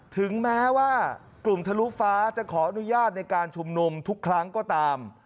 ถึงแม้ว่ากลุ่มทะลุฟ้าจะขออนุญาตในการชุมนุมทุกครั้งก็ตาม